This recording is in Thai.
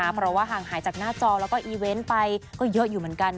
เพราะว่าห่างหายจากหน้าจอแล้วก็อีเวนต์ไปก็เยอะอยู่เหมือนกัน